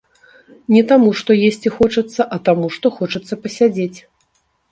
Не таму, што есці хочацца, а таму, што хочацца пасядзець.